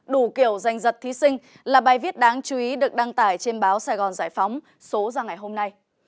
đủ kiểu danh dật thí sinh là bài viết đáng chú ý được đăng tải trên báo sài gòn giải phóng số ra ngày hôm nay